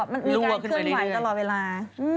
มันมีการขึ้นไหวตลอดเวลา